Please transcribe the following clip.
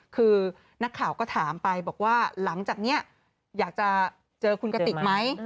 คือนักข่าวก็ถามไปบอกว่าหลังจากนี้อยากจะเจอคุณกติกไหม